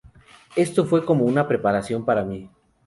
Eso fue como una preparación para mí.